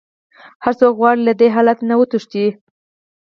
هر څوک غواړي له دې حالت نه وتښتي.